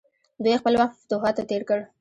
دوی خپل وخت په فتوحاتو تیر کړ.